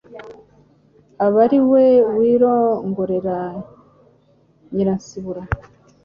aba ari we wirongorera Nyiransibura,